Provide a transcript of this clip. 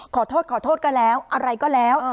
ขอโทษก็แล้วอะไรก็แล้ว